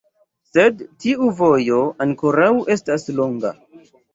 Sed tiu vojo ankoraŭ estas longa.